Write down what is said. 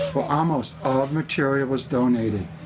hampir semua materialnya didonasi